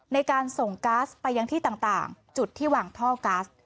ในการส่งก๊าซไปยังที่ต่างจุดที่วางท่อก๊าซ